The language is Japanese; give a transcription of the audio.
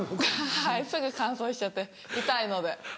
はいすぐ乾燥しちゃって痛いので。